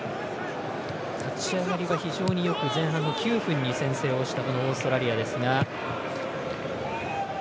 立ち上がりが非常によく前半の９分に先制をしたオーストラリアですが。